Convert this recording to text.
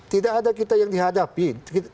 tidak ada yang dihadapi